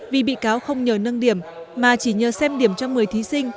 vì bị cáo không nhờ nâng điểm mà chỉ nhờ xem điểm cho một mươi thí sinh